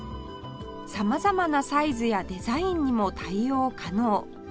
様々なサイズやデザインにも対応可能